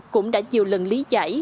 cũng đã nhiều lần lý giải